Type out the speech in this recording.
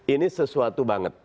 ini sesuatu banget